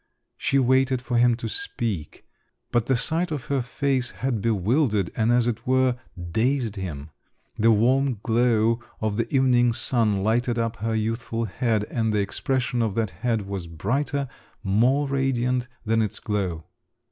She waited for him to speak…. But the sight of her face had bewildered, and, as it were, dazed him. The warm glow of the evening sun lighted up her youthful head, and the expression of that head was brighter, more radiant than its glow.